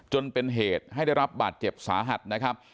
จนเป็นเหตุให้ได้รับบาดเจ็บสาหัสนะครับ